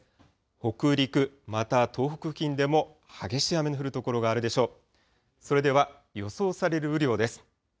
北陸また東北付近でも激しい雨の降る所があるでしょう。